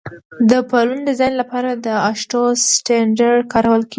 د پلونو ډیزاین لپاره د اشټو سټنډرډ کارول کیږي